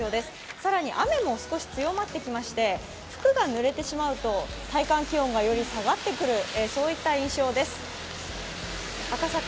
更に、雨も少し強まってきまして服がぬれてしまうと体感気温がより下がってくるといった印象です。